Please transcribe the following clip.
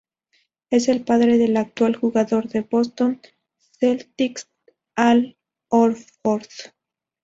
Es el padre del actual jugador de Boston Celtics Al Horford.